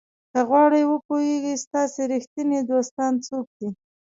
که غواړئ وپوهیږئ ستاسو ریښتیني دوستان څوک دي.